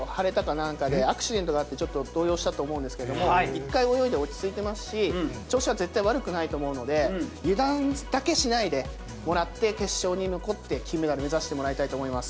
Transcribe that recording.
なんかでアクシデントがあって、ちょっと動揺したと思うんですけれども、１回泳いで落ち着いてますし、調子は絶対悪くないと思うので、油断だけしないでもらって、けっしょうに残って、金メダル目指してもらいたいと思います。